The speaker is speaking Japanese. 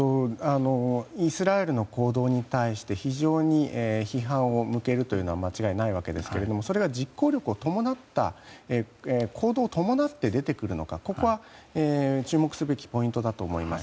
イスラエルの行動に対して非常に批判を向けることは間違いないわけですがそれが実行力を伴った行動を伴って出てくるのかここは注目すべきポイントだと思います。